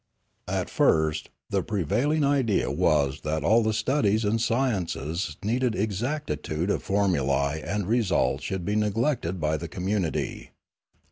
At first the prevailing idea was that all the studies and sciences needing exactitude of formulae and result should be neglected by the community.